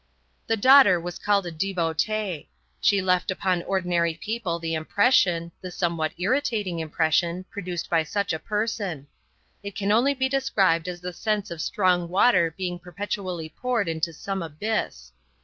The daughter was called a devotee. She left upon ordinary people the impression the somewhat irritating impression produced by such a person; it can only be described as the sense of strong water being perpetually poured into some abyss.